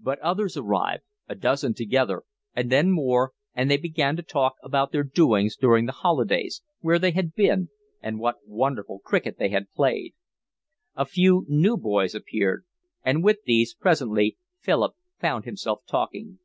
But others arrived, a dozen together, and then more, and they began to talk about their doings during the holidays, where they had been, and what wonderful cricket they had played. A few new boys appeared, and with these presently Philip found himself talking.